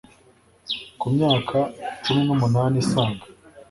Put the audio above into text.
Ku myaka cumi numunani isaga